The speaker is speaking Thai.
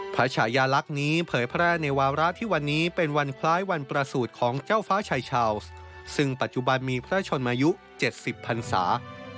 ฉายาลักษณ์นี้เผยแพร่ในวาระที่วันนี้เป็นวันคล้ายวันประสูจน์ของเจ้าฟ้าชายชาวส์ซึ่งปัจจุบันมีพระชนมายุ๗๐พันศา